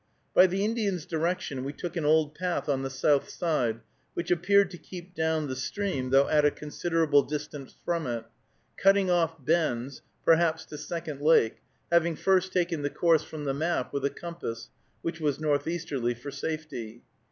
By the Indian's direction we took an old path on the south side, which appeared to keep down the stream, though at a considerable distance from it, cutting off bends, perhaps to Second Lake, having first taken the course from the map with a compass, which was northeasterly, for safety.